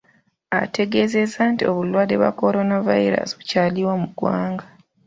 Ategeezeza nti obulwadde bwa coronavirus bukyaliwo mu ggwanga.